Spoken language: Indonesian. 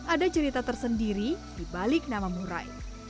ada cerita tersendiri di balik nama murai